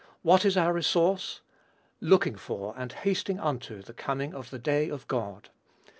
What is our resource? "Looking for, and hasting unto, the coming of the day of God."